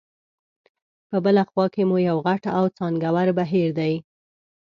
په بله خوا کې مو یو غټ او څانګور بهیر دی.